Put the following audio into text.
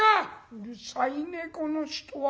「うるさいねこの人は。